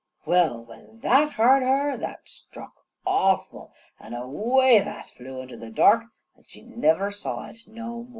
Well, when that hard her, that shruck awful an' awa' that flew into the dark, an' she niver saw it noo more.